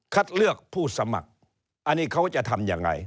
เลือกผู้สมัครอันนี้เขาจะทำยังไง